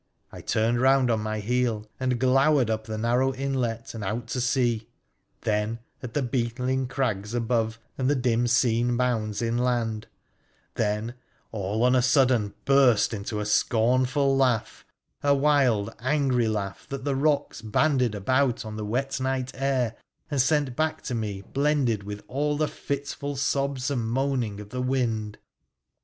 I turned round on my heel and glowered up the narrow inlet and out to sea ; then at the beetling crags above PHRA THE PHCEiYICIAN 233 ahd the dim seen mounds inland ; then all on a sudden hurst into a scornful laugh — a wild angry laugh that the rocks bandied about on the wet night air and sent back to me blended with all the fitful sobs and moaning of the wind.